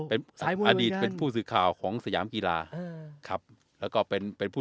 เป็นอดีตเป็นผู้สื่อข่าวของสยามกีฬาครับแล้วก็เป็นเป็นผู้